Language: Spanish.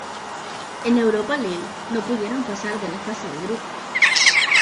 En la Europa League, no pudieron pasar de la fase de grupos.